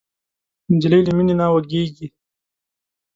نجلۍ له مینې نه وږيږي.